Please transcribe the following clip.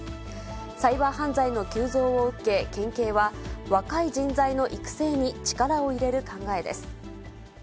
サイバー犯罪の急増を受け、県警は、若い人材の育成に力を入れる考えです。